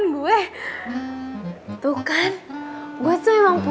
serbu bahkan udah di doha